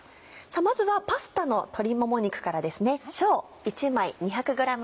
まずはパスタの鶏もも肉からです。